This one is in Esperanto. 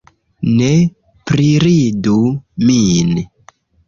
Ne priridu min